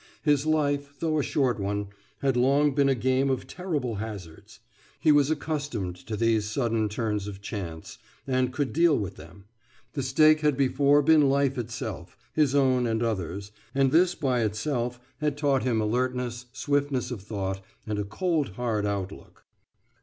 His life, though a short one, had long been a game of terrible hazards; he was accustomed to these sudden turns of chance and could deal with them; the stake had before been life itself, his own and others', and this by itself had taught him alertness, swiftness of thought, and a cold hard outlook.